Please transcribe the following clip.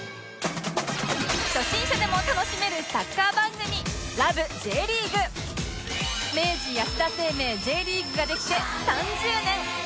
初心者でも楽しめるサッカー番組明治安田生命 Ｊ リーグができて３０年！